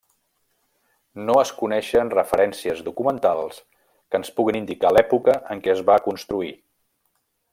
No es coneixen referències documentals que ens puguin indicar l'època en què es va construir.